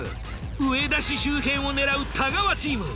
上田市周辺を狙う太川チーム。